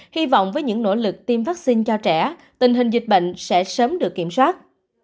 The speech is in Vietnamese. hy vọng với những nỗ lực tiêm vaccine cho trẻ tình hình dịch bệnh sẽ sớm được kiểm soát